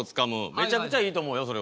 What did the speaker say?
めちゃくちゃいいと思うよそれは。